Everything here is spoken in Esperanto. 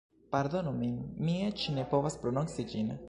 Pardonu min, mi eĉ ne povas prononci ĝin